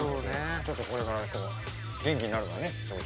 ちょっとこれから元気になればね。